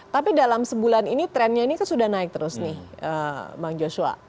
tapi dalam sebulan ini trennya ini sudah naik terus nih bang joshua